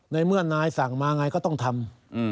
ในเมื่อนายสั่งมาไงก็ต้องทำ